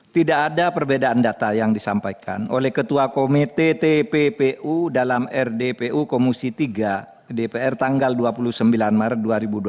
tidak ada perbedaan data yang disampaikan oleh ketua komite tppu dalam rdpu komisi tiga dpr tanggal dua puluh sembilan maret dua ribu dua puluh